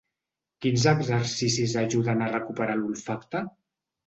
Quins exercicis ajuden a recuperar l’olfacte?